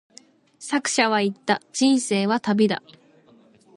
作者は言った、人生は旅だ。